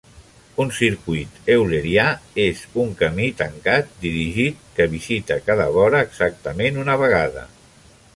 Un circuit eulerià és un camí tancat dirigit que visita cada vora exactament una vegada.